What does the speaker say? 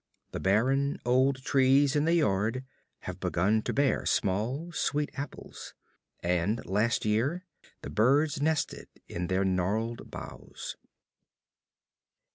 The barren old trees in the yard have begun to bear small, sweet apples, and last year the birds nested in their gnarled boughs.